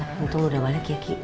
tapi tuh udah balik ya kiki